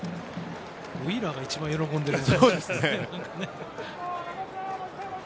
ウィーラーが一番喜んでましたね。